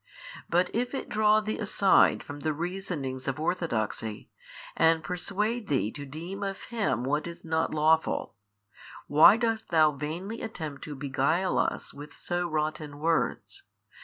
But if it draw thee aside from the reasonings of orthodoxy, and persuade thee to deem of Him what is not lawful, why dost thou vainly attempt to beguile us with so rotten words?